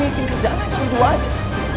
miting kerjaan kan kamu dua aja